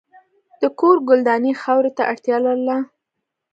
د کور ګلداني خاورې ته اړتیا لرله.